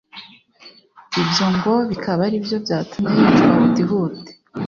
Ibyo ngo bikaba ari byo byatumye yicwa huti huti